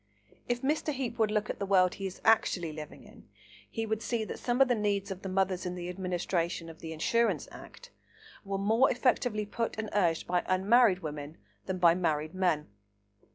If Mr. Heape would look at the world he is actually living in, he would see that some of the needs of the mothers in the administration of the Insurance Act were more effectively put and urged by unmarried women than by married men.